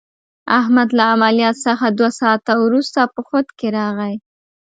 احمد له عملیات څخه دوه ساعته ورسته په خود کې راغی.